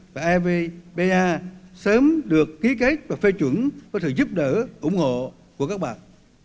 và evpa sớm được ký kết và phê chuẩn có thể giúp đỡ ủng hộ của các bạn